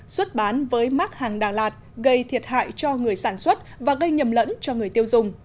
xuất bán với mát hàng đà lạt gây thiệt hại cho người sản xuất và gây nhầm lẫn cho người tiêu dùng